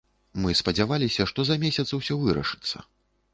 Мы спадзяваліся, што за месяц усё вырашыцца.